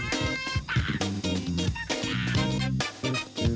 สวัสดีพี่ใหม่